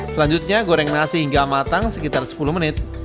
selanjutnya goreng nasi hingga matang sekitar sepuluh menit